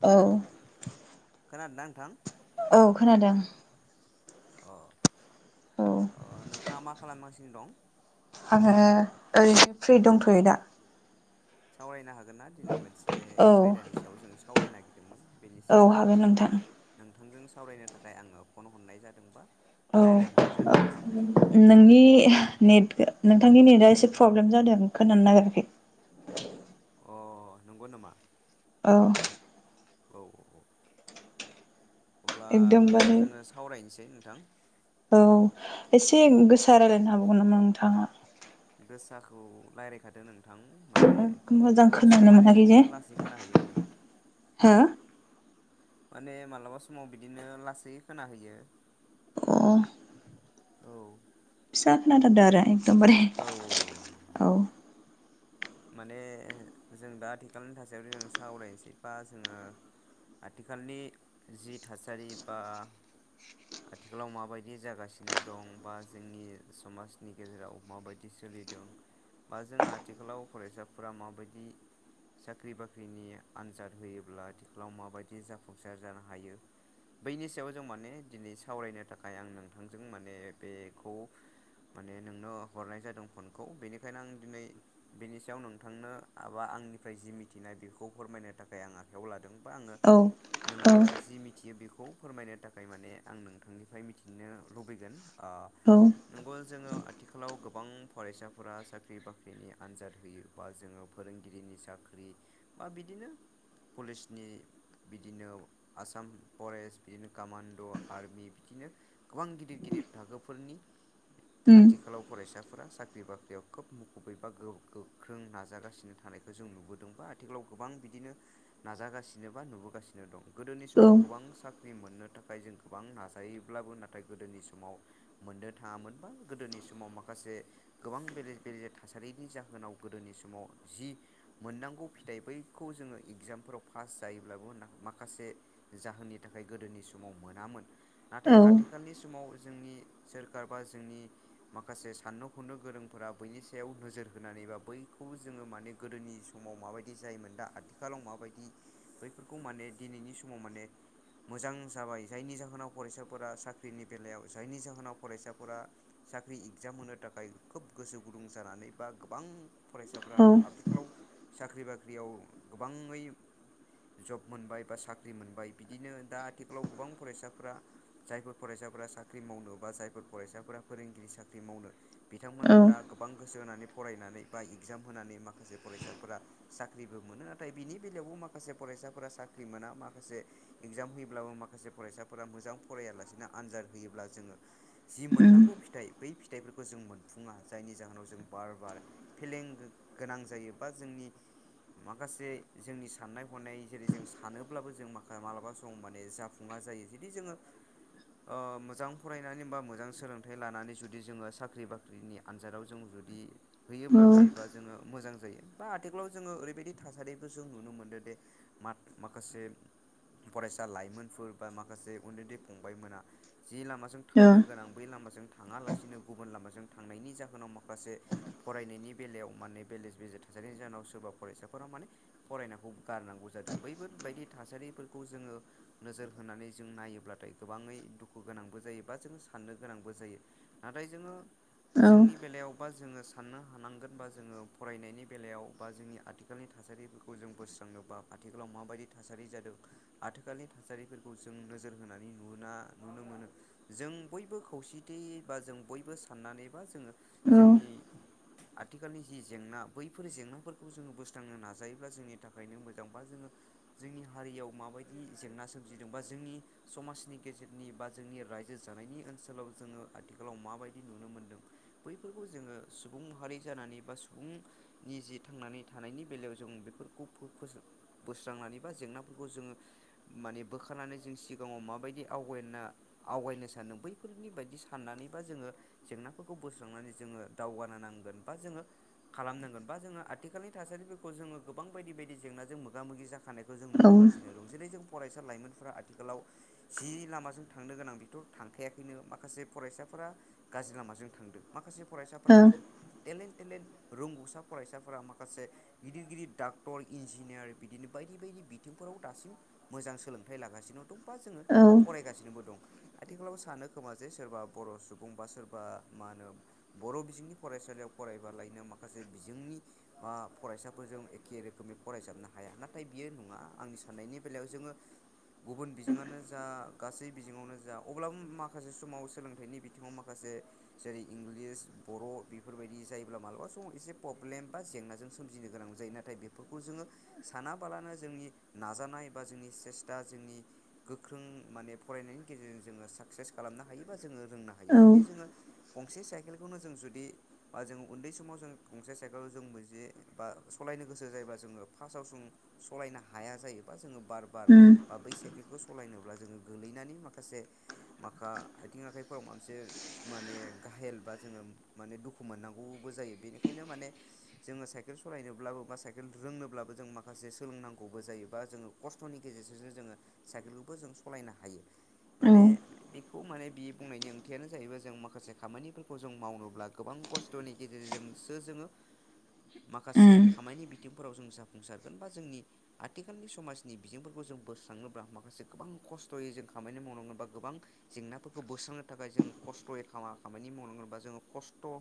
औ। खोनादोना नोंथां? औ खोनादों। अ औ अ नोंथाङा मा खालामगासिनो दं? आङो ओरैनो फ्रि दंथ'यो दा। सावरायनो हागोन ना दिनै मोनसे औ आयदानि सायाव जों सावराय नागिरदों। औ हागोन नोंथां। नोंथांजों सावरायनो थाखाय आङो फन हरनाय जादों बा औ रायज्लायहरनाय नोंनि नेट नोंथांनि नेटआ एसे प्रब्लेम जादों खोनानो नागिराखै। अ नंगौ नामा। औ। औ औ अब्ला एकदमबारे जोङो सावरायनोसै नोंथां। औ एसे गोसा रायलायनो हाबावगोन नामा नोंथाङा? गोसाखौ रायलायखादो नों थां माने मोजां अबा समाव खोनानो माने मोनाखै बिदिनो लासै खोनाहैयो नोंथां। हा? माने मालाबा समाव बिदिनो लासै खोनाहैयो। अ। औ। फिसा खोनाथारदो आरो एकदमबारे औ औ। माने जों दा आथिखालनि थासारिजों सावरायनोसै बा जोङो आथिखालनि जि थासारि बा आथिखालाव माबायदि जागासिनो दं बा जोंनि समाजनि गेजेराव माबायदि स सोलिदों बा जों आथिखालाव फरायसाफोरा माबायदि साख्रि बाख्रिनि आन्जाद होयोब्ला आथिखालाव माबायदि जाफुंसार जानो हायो। बैनि सायाव जों माने दिनै सावरायनो थाखाय आं नोंथांजों माने बेखौ माने नोंनो हरनाय जादों फनखौ बेनिखायनो आं दिनै बेनि सायाव नोंथांनो माबा आंनिफ्राय जि मिथिनाय बेखौ फोरमायनो थाखाय आं आखायाव लादों। आङो, औ औ नोंबो जि मिथियो बिख खौ फोरमायनो थाखाय माने आं नोंथांनिफ्राय मिथिनो लुबैगोन। आ औ नंगौ जोङो आथिखालाव गोबां फरायसाफोरा साख्रि बाख्रिनि आनजाद होयो बा जोङो फोरोंगिरिनि साख्रि बा बिदिनो पुलिसनि बिदिनो आसाम फरेस्ट बिदिनो कामान्ड' आर्मि बिदि नो गोबां गिदिर गिदिर थाखोफोरनि उम आथिखालाव फरायसाफोरा साख्रि बाख्रियाव खोब मुखुबै बा गो-गोख्रों नाजागासिनो थानायखौ जों नुबोदों बा आथिखालाव गोबां बिदिनो नाजागासिनो। एबा नुबोगासिनो दं। गोदोनि औ समाव गोबां सा ख्रि मोननो थाखाय जों गोबां नाजायोब्लाबो नाथाय गोदोनि समाव मोननो थाङामोन बा गोदोनि समाव माखासे गोबां बेले बेजे थासारिनि जाहोनाव गोदोनि समाव जि मोननांगौ फिथाइ बैखौ जोङो एकजामफोराव फास पास जायोब्लाबो माखासे जाहोननि थाखाय गोदोनि समाव मोनामोन। नाथाय औ आथिखालनि समाव जोंनि सोरखार, बा जोंनि माखासे साननो हनो गोरोंफोरा बैनि सायाव नोजोर होनानै बा बैखौबो जोङो माने गोदोनि समाव माबायदि जायोमोन दा आथिखालाव माबायदि बैफोरखौ माने दिनैनि समाव माने मोजां जाबाय। जायनि जाहोनाव फरायसाफोरा साख्रिनि बेलायाव जायनि जाहोनाव फरायसाफोरा साख्रि इकम होनो थाखाय खोब गोसो गुदुं गुदुं जानानै बा गोबां फरायसाफ्रा औ आथिखालाव साख्रि बाख्रियाव गोबाङै जब मोनबाय बा साख्रि मोनबाय। बिदिनो दा आथिखालाव गोबां फरायसाफोरा जायफोर फरायसा साख्रि मावनो बा जायफोर फरायसाफोरा फोरोंगिरि साख्रि मावनो बिथांमोना औ दा गोबां गोसो होनानै फरायनानै बा इगजाम होनानै माखासे फरायसाफोरा साख्रिबो मोनो। नाथाय बिनि बेलायावबो मा खासे फरायसाफोरा साख्रि मोना। माखासे एगजाम होयोब्लाबो माखासे फरायसाफोरा मोजां फरायालासिनो आनजाद होयोब्ला जोङो जि उम मोननांगौ फिथाइ बै फिथाइफोरखौ जों मोनफुङा। जायनि जाहोनाव जों बार बार फेलें गोनां जायो बा जोंनि माखासे जोंनि साननाय-हनाय जेरै जों सानोब्लाबो जों मालाबा समाव माने जाफुङा जायो जुदि जोङो आ मोजां फरायनानै बा मोजां सोलोंथाइ लानानै जुदि जोङो साख्रि बाख्रिनि आनजादाव जों जुदि होयोब्लाथाय बा जोङो मोजां जायो। बा आथिखालाव जोङो ओरैबायदि थासारिबो जों नुनो मोनो दे मा माखासे फरायसा लाइमोनफोर बा माखासे उन्दै उन्दै फंबायमोना जि लामाजों थांनो गोनां बै लामाजों थाङालासिनो गुबुन लामाजों थांनायनि जाहोनाव माखासे फरायनायनि बेलायाव माने बेल बेे थासारिनि जाहोनाव सोरबा फरायसाफोरा माने फरायनायखौ गारनांगौ जादों। बैफोरबायदि थासारिफोरखौ जोङो नोजोर होनानै जों नायोब्ला थाय गोबाङै दुखु गोनांबो जायो बा जोङो साननो गोनांबो जायो। नाथाय जोङो जोंनि बेलायावबा जोङो साननो हानांगोन बा जोङो फरायनायनि बेलायाव बा जोंनि आथिखालनि थासारिफोरखौ जों बोस्रांनोबा आथिखालाव माबायदि थासारि जादों आथिखालनि थासारिफोरखौ जों नोजोर होनानै नुना नुनो मोनो जों बयबो खौसेथि बा जों बयबो साननानै बा जोङो जोंनि आथिखालनि जि जेंना बैफोर जेंनाफोरखौ जोङो बोस्रांनो नाजायोब्ला जोंनि थाखायनो मोजां बा जोङो जोंनि हारियाव माबायदि जेंना सोमजिदों, बा जोंनि समाजनि गेजेरनि बा जोंनि राव रायजो जानायनि ओनसोलाव जोङो आथिखालाव माबायदि नुनो मोन्दों बैफोरखौ जोङो सुबुं माहारि जानानै, बा सुबुंनिजे थांनानै थानायनि बेलायाव जों बेफोरखौ बोस्रांनानै बा जेंनाफोरखौ जोङो माने बोखारनानै जों सिगाङाव माबायदि आवगायना आवगायनो सानदों बैफोरनि बायदि साननानैबा जोङो जेंना फोरखौ बोस्रांनानै जोङो दावगानो नांगोन। बा जोङो खालामनांगोन बा जोङो आथिखालनि थासारिफोरखौ जोङो गोबां बायदि बायदि जेंनाजों मोगा मोगि जाखानायखौ जों नुबोगासिनो दं जेरै जों फरायसा लाइमोनफोरा आथिखालाव जि लामाजों थांनो गोनां बिथ' थांखायाखैनो माखासे फरायसा फोरा गाज्रि लामाजों थांदो माखासे फरायसाफ्रा खोब टेलेन्ट टेलेन्ट रोंगौसा फरायसाफोरा माखासे गिदिर गिदिर डाक्टर इन्जिनियार बिदिनो बाय दि बायदि बिथिंफोराव दासिम मोजां सोलोंथाइ लागासिनो दं बा जोङो फरायगासिनोबो दं आथिखालाव सानो खोमा जे सोरबा बर' सुबुं बा सोरबा मा होनो बर' बिजोंनि फरायसालियाव फरायबा लायनो माखासे बिजोंनि बा फरायसाफोर जों एखे रोखोमै फरायजाबनो हाया नाथाय बियो नङा आंनि साननायनि बेलायाव जोङो गुबुन बिजोङानो जा गासै बिङावनो जा अब्लाबो माखासे समाव सोलोंथाइनि बिथिङाव माखासे जेरै इंलिस बर' बेफोरबायदि जायोब्ला मालाबा समाव इसे प्रब्लेम बा जेंनाजों सोमजिनो गोनांबो जायो नाथाय बेफोरखौ जोङो सानाबालानो जोंनि नाजानाय बा जोंनि सेस्था जोंनि गोख्रों माने फरायनायनि गेजेरजों जोङो साक्सेस खालामनो हायो बा जोङो रोंनो हायो जुदि जोङो। गंसे साइकेलखौनो जों जुदि बा जों उन्दै समाव जों गंसे साइकेल जोंबो जे बा सला यनो गोसो जायोबा जोङो फासआव जों सलायनो हाया जायोबा जोङो बार बार बा बै साइकेलखौ स लायनोब्ला जोङो गोलैनानै माखासे माखा आथिं आखाइफोराव माखसे माने गाहेल बा जोङो माने दुखु मोननांगौबो जायो बिनिखायनो माने जोङो साइकेल सालायनोब्लाबो बा साइकेल रोंनोब्लाबोजों माखासे सोलोंनांगौबो जायो बा जोङो खस्थनि गेजेरजोंसो जोङो साइकेलखो बो जों सलायनो हायो माने बिखौ माने बि बुंनायनि ओंथियानो जाहैबाय जों माखासे खामानिफोरखौ जों मावनोब्ला गोबां खस्थ'नि गेजेरजोंसो जोङो माखासे खामायनि बिथिं फोराव जों जाफुंसारगोन बा जोंनि आथिखालनि समाजनि बिजोंफोरखौ जों बोस्राङनोबा माखासे गोबां ख स्थ'यै जों खामायनो मावनांगोन बा गोबां जेंनाफोरखौ बोस्रांनो थाखाय जों खस्थ'यै खा मानि मावनांगोन बा जोङो खस्थ'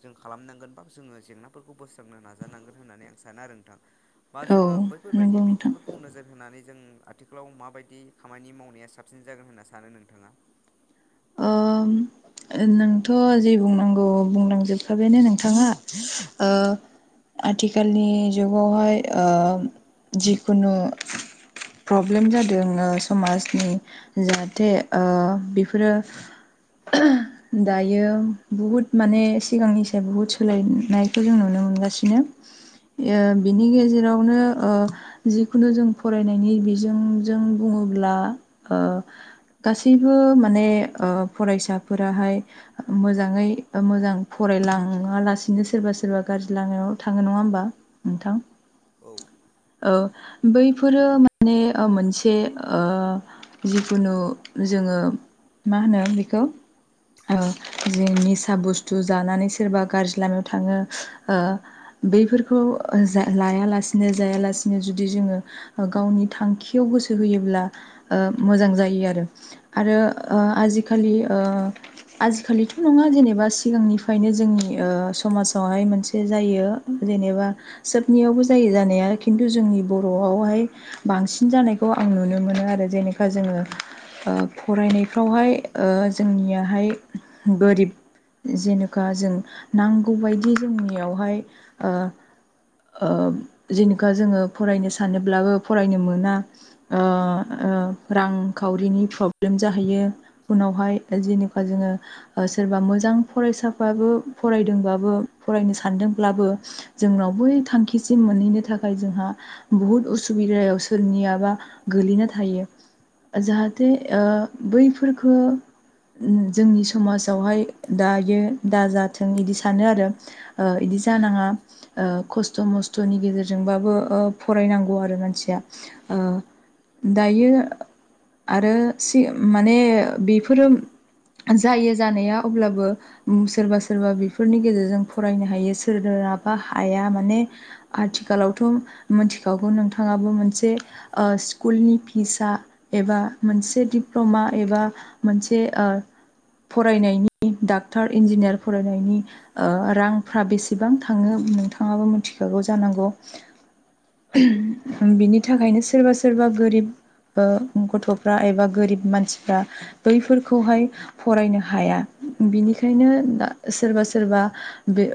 जों खालामनांगोन बा जोङो जेंनाफोरखौ बोस्रांनो नाजानांगोन होननानै आं सानो आरो नोंथां। बा औ जोङो नंगौ बैफोरबायदि नोंथां बिथिंफोरखौ नोजोर होनानै जों आथिखालाव मााबायदि खामानि मावनाया साबसिन जागोन होनना सानो नोंथाङा? ओम नोंथ' जे बुंनांगौ बुंलांजोबखाबायनो नोंथाङा ओ आथिखालनि जुगावहाय ओ जिखुनु प्रब्लेम जादों ओ समाजनि जाहाथे ओ बेफोरो [unintelligible] दायो बुहुत माने सिगांनि साय बुहुत सोलायनायखो जों नुनो मोनगासिनो ओ बिनि गेजेरावनो ओ जिखुनु जों फरायनायनि बिजोंजों बुङो ब्ला ओ गासैबो माने ओ फरायसाफोराहाय मोजाङै मोजां फरायलाङालासिनो सोरबा सोरबा गा ज्रि लामायाव थाङो नङा होमबा नोंथां। औ ओ बैफोरो माने ओ मोनसे ओ जिखुनु जों ओ मा होनो बेखौ ओ औ जि निसा बुस्थु जानानै सोरबा गाज्रि लामायाव थाङो ओ बैफोरखौ जा लायालासेनो जायालासेनो जुदि जोङो गावनि थांखियाव गो सो होयोब्ला ओ मोजां जायो आरो आरो ओ आजि खालि ओ आजिखालिथ' नङा जेनेबा सिगांनिफायनो जोंनि ओ समाजावहाय मोनसे जायो जेनेबा सोबनियावबो जायो जानाया खिन्थु जोंनि बर'आवहाय बांसिन जानायखौ आं नुनो मोनो आरो जेनेका जोङो ओ फरायनायफ्रावहाय ओ जोंनियाहाय गोरिब जेनेखा जों नांगौबायदि जोंनियावहाय ओ ओ जेनेखा जोङो फरायनो सानोब्लाबो फरायनो मोना ओ ओ रांखावरिनि प्रब्लेम जाहैयो उनावहाय जेनिउखा जोङो सोरबा मोजां फरायसाफ्राबो फरायदोंबाबो फरायनो सानदोंब्लाबो जोंनाव बै थांखिसिम मोनहैनो थाखाय जोंहा बुहुद उसुबि [unintelligible] सोरनियाबा गोलैना थायो जाहाथे ओ बैफोर खो उम जोंनि समासावहाय दायो दाजाथों इदि सानो आरो ओ इदि जानाङा ओ खस्थ' मस्थ'नि गेजेरजोंबाबो ओ फरायनांगौ आरो मानसिया ओ दायो आरो सि माने बेफोरो जायो जानाया अब्लाबो उम सोरबा सोरबा बेफो फोरनि गेजेरजों फरायनो हायो सोर रोङाबा हाया माने आथिखालावथ' मिथिखागौ नोंथाङाबो मोनसे ओ स्कुलनि फिसा एबा मोनसे दिप्ल'मा एबा मोनसे ओ फरायनायनि डाक्टार इन्जिनियार फरायनायनि ओ रांफ्रा बेसेबां थाङो नोंथाङाबो मिथिखाग औ जानांगौ बिनि थाखायनो नंगौ सोरबा सोरबा गोरिब ओ गथ'फ्रा एबा गोरिब मानसिफ्रा बैफोरखौहाय फरायनो हाया बिनिखायनो सोरबा सोरबा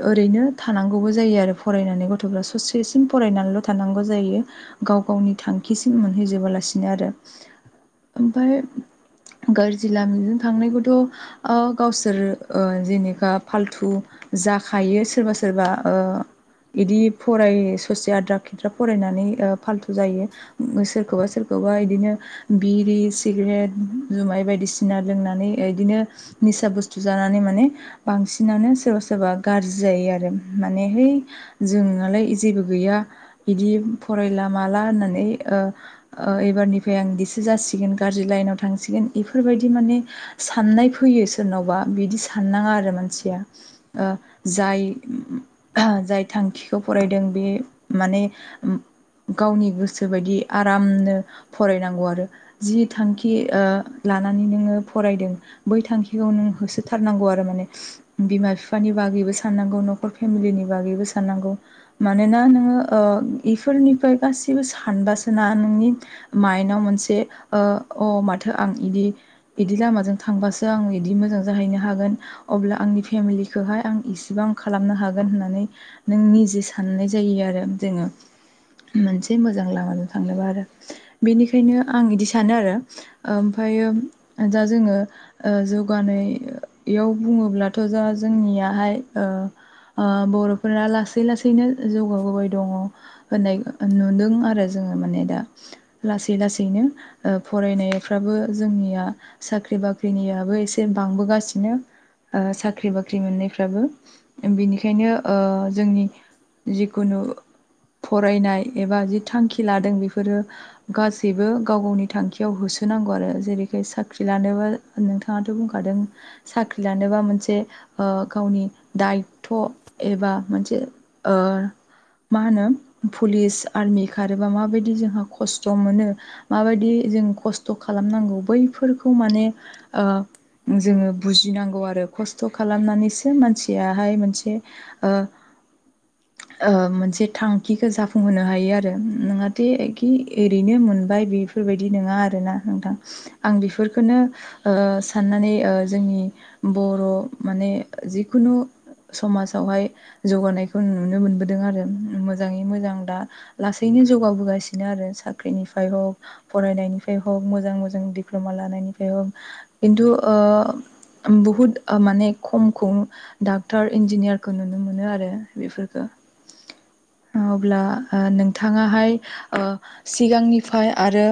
ओरैनो थानांगौबो जायो आरो फरायनानै गथ'फ्रा ससेसिम फरायनानैल' थानांगौ जायो गाव गावनि थांखिसिम मोनहैजबोलासिनो आरो ओमफाय गाज्रि लामाजों थांनायखौथ' अ गावसोर ओ जेनेबा फाल्थु जाखायो सोरबा सोरबा ओ इदि फराय ससे आद्रा खेद्रा फरायनानै ओ फाल्थु जायो सोरखौबा सोरखौबा अबायदिनो बिरि सिग्रेट जुमाय बायदिसिना लोंनानै इदिनो निसा बुस्थु जानानै माने बांसिनानो सोरबा सोर सोरबा गाज्रि जायो आरो माने है जोंहालाय जेबो गैया बिदि फरायला माला होननानै ओ ओ एबारनिफ्राय आं दिसो जासिगोन गाज्रि लाइनाव थांसि। जेन इफोरबायदि माने साननाय फैयो सोरनावबा बिदि साननाङा आरो मानसिया ओ जाय जाय थांखिखौ फरायदों बे माने गावनि गोसो बायदि आरामनो फरायनांगौ आरो जि थांखि ओ लानानै नोंङो फरायदों बै थांखिखौ नों होसोथारनांगौ आरो माने बिमा फाफानि बाग गैबो साननांगौ न'खर फेमिलिनि बागैबो साननांगौ मानोना नोङो ओ इसोरनिफ्राइ गासिबो सानबासोना माइनाव मोनसे ओ अ माथो आं इदि बिदि लामाजों थांबासो आं बिदि मोजां जाहैनो हागोन अब्ला आंनि फेमिलि इखौहाय आं इसेबां खालामनो हाग गोन होननानै नों निजे साननाय जायो आरो जोङो मोनसे मोजां लामाजों थांनोबा आरो बेनिखायनो आं इदि सानो आरो ओमफायो उम दा जोङो ओ जौगानायाव बुङोब्लाथ' जा जोंनियाहाय ओ आ बर'फोरा लासै लासैनो जौगाबोबाय दङ होननाय नुदों आरो जोङो माने दा लासै लासैनो ओ फरायनाय फ्राबो जोंनिया साख्रि बाख्रिनियाबो एसे बांबोगासिनो ओ साख्रि बाख्रि मोननायफ्राबो बेनिखायनो ओ जोंनि जिखुनु फरायनाय एबा जि थांखि लादों बेफोरो गासैबो गाव गावनि थांखियाव होसो जानांगौ आरो जेरैखाय साख्रि लानोबा नोंथाङाथ' बुंखादों साख्रि लानोबा मोनसे ओ गावनि दायथ' एबा मोनसे ओ मा होनो पुलिस आर्मि खारोबा माबायदि जोंहा खस्थ' मोनो माबायदि जों खस्थ' खालामनांगौ बैफोरखौ माने ओ जोङो बुजिनांगौ आरो खस्थ' खालामनानैसो मानसियाहाय मोनसे ओ [inaudible] मोनसे थांखिखौ जाफुंहोनो हायो आरो नोंङाथे खि औ ओरैनो मोनबाय बेफोरबायदि नङा आरोना नोंथां आं बेफोरखौननो साननानै जोंनि बर' माने ए जेखुनु समाजावहाय जौगानायखौ नुनो मोनबोदों आरो मोजाङै मोजां दा लासैनो जौगाबोगासिनो आरो साख्रिनिफ्राय हक फरायनायनिफ्राय हक ह मोजां मोजां दिप्ल'मा लानायनिफ्राय ह खिन्थु बुहुत माने ने खमखौ डाक्टर इन्जिनियारखौ नुनो मोनो आरो बेफोरफोरखौ [inaudible] अब्ला नोंथाङाहाय सिगांनिफ्राय आरो